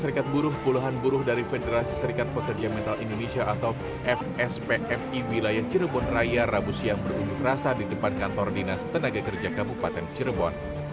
serikat buruh puluhan buruh dari federasi serikat pekerja mental indonesia atau fspmi wilayah cirebon raya rabu siang berunjuk rasa di depan kantor dinas tenaga kerja kabupaten cirebon